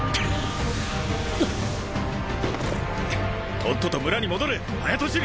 とっとと村に戻れ早とちり！